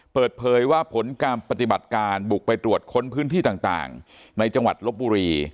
เปิดเผยว่าผลการปฏิบัติการบุกไปตรวจค้นพื้นที่ต่างในจังหวัดลบบุรี